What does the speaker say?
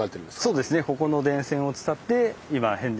そうですね。